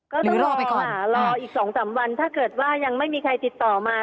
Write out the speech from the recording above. ก็ต้องรอไปก่อนรออีก๒๓วันถ้าเกิดว่ายังไม่มีใครติดต่อมา